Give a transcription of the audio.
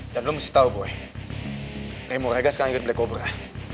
dan lu mesti tahu boy rai morega sekarang ikut black cobra